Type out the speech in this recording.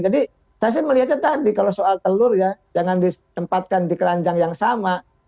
jadi saya melihatnya tadi kalau soal telurnya jangan ditempatkan di keranjang yang sama